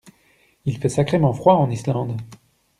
Il fait sacrément froid en Islande.